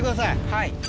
はい。